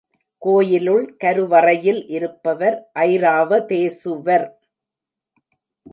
கோயிலுள் கருவறையில் இருப்பவர் ஐராவதேசுவர்.